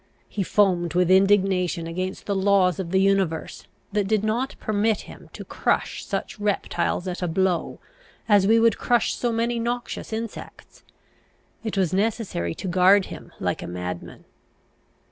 He foamed with indignation against the laws of the universe, that did not permit him to crush such reptiles at a blow, as we would crush so many noxious insects. It was necessary to guard him like a madman.